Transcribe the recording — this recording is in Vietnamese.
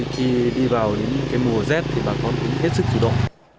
khi đi vào đến mùa rét thì bà con cũng hết sức chủ động